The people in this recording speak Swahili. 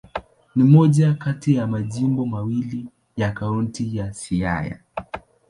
Ni moja kati ya majimbo mawili ya Kaunti ya Siaya.